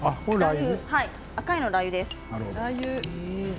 赤いのはラーユです。